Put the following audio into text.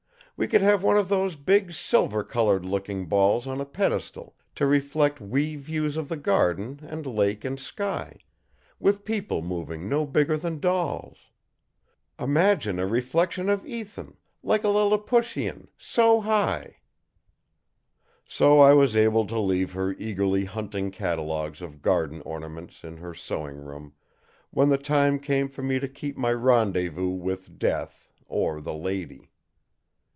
We could have one of those big silver colored looking balls on a pedestal to reflect wee views of the garden and lake and sky, with people moving no bigger than dolls. Imagine a reflection of Ethan like a Lilliputian so high!" So I was able to leave her eagerly hunting catalogues of garden ornaments in her sewing room, when the time came for me to keep my rendezvous with Death or the lady.